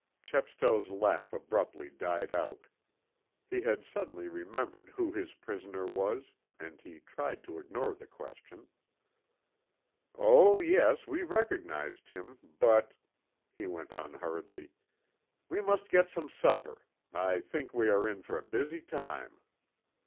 Chepstow's laugh abruptly died out. He had suddenly remembered who his prisoner was; and he tried to ignore the question. "Oh, yes, we recognized him. But," he went on hurriedly, "we must get some supper. I think we are in for a busy time."